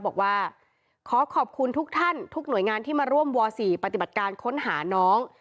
บอกว่าขอขอบคุณทุกท่านทุกหน่วยงานที่มาร่วมว๔ปฏิบัติการค้นหาน้อง